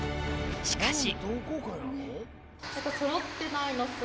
しかし。